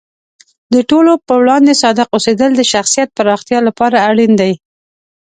د ټولو په وړاندې صادق اوسیدل د شخصیت پراختیا لپاره اړین دی.